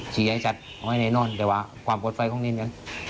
ชิ้นให้จัดไว้ไกลออกไปแต่ว่าความพอทฟัยของเรากัน